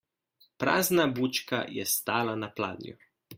Prazna bučka je stala na pladnju.